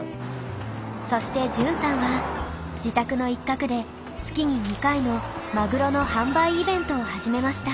そして潤さんは自宅の一角で月に２回のマグロの販売イベントを始めました。